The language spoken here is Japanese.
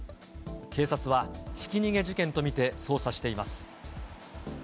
警察はひき逃げ事件と見て、捜査しています。